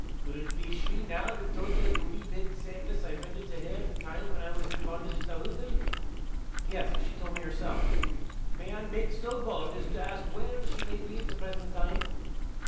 Will it be she now that told ye of the wee bit sairvice I rendered to her in the time when I was in bondage at the hottle?" "Yes she told me herself." "Might I mak' sae bauld as to ask whar' she may be at the present time?"